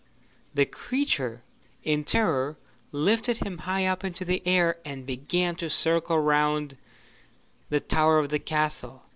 The creature in terror lifted him high up into the air and began to circle round the tower of the castle.